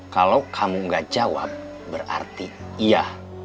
kalau kamu gak jawab berarti iya